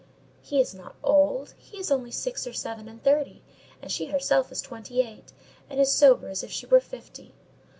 "He is not old: he's only six or seven and thirty; and she herself is twenty eight, and as sober as if she were fifty."